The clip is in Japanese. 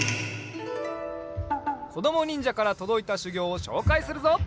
こどもにんじゃからとどいたしゅぎょうをしょうかいするぞ。